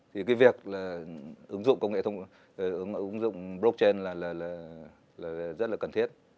thì cái việc là ứng dụng công nghệ thông tin ứng dụng blockchain là rất là cần thiết